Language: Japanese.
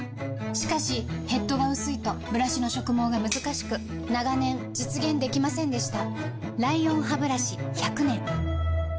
しかしヘッドが薄いとブラシの植毛がむずかしく長年実現できませんでした